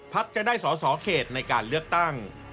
จะได้สอสอเขตในการเลือกตั้ง